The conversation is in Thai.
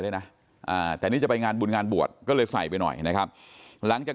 ด้วยนะแต่นี่จะไปงานบุญงานบวชก็เลยใส่ไปหน่อยนะครับหลังจาก